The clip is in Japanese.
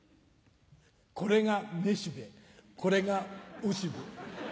これがめしべこれがおしべ。